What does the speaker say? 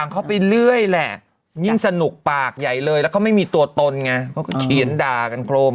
เขียนดากันโครมโครมโครม